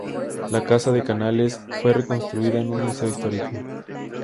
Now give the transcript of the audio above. La casa de Canales fue reconstruida en un museo histórico.